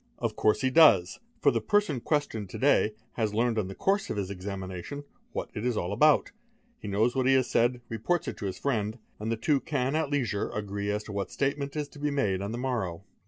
Of course he does, for the person questioned | to day has learned in the course of his examination what it is all about; | he knows what he has said, reports it to his friend, and the two can at leisure agree as to what statement is to be made on the morrow.